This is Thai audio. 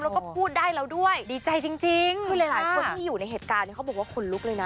แล้วก็พูดได้แล้วด้วยดีใจจริงจริงคือหลายหลายคนที่อยู่ในเหตุการณ์เนี่ยเขาบอกว่าขนลุกเลยนะ